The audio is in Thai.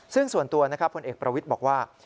ซึ่งส่วนตัวนะครับผลเอกประวิทย์บอกว่า